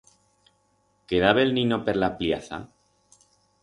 Queda bel nino per la pllaza?